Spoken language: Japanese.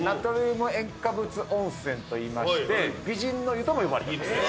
といいまして美人の湯とも呼ばれています。